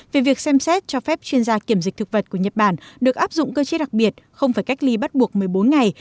về việc xem xét cho phép chuyên gia kiểm dịch thực vật của nhật bản được áp dụng cơ chế đặc biệt không phải cách ly bắt buộc một mươi bốn ngày